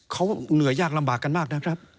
เขาเหนื่อยยากลำบากกันมากนะครับ